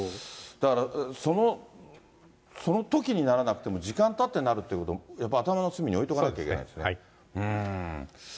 だから、そのときにならなくても、時間たってなるっていうこと、やっぱり頭の隅に置いておかないといけないですね。